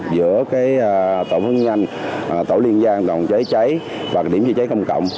giữa tổ phương nhanh tổ liên gia cộng chế cháy và điểm chế cháy công cộng